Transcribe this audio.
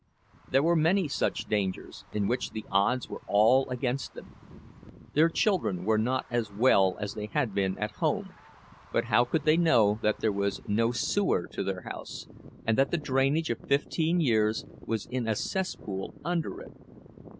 There were many such dangers, in which the odds were all against them. Their children were not as well as they had been at home; but how could they know that there was no sewer to their house, and that the drainage of fifteen years was in a cesspool under it?